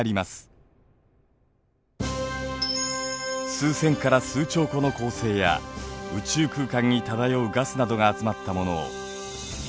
数千から数兆個の恒星や宇宙空間に漂うガスなどが集まったものを銀河といいます。